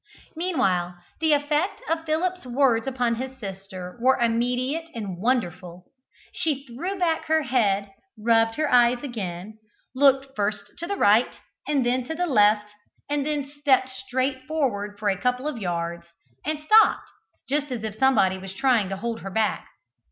Meanwhile the effect of Philip's words upon his sister were immediate and wonderful. She threw back her head, rubbed her eyes again, looked first to the right and then to the left, and then stepped straight forward for a couple of yards, and stopped, just as if somebody was trying to hold her back.